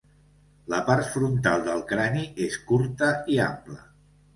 La part frontal del crani és curta i ampla.